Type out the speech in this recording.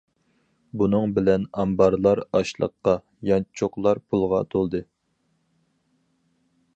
بۇنىڭ بىلەن، ئامبارلار ئاشلىققا، يانچۇقلار پۇلغا تولدى.